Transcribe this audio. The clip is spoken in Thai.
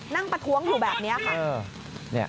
ประท้วงอยู่แบบนี้ค่ะ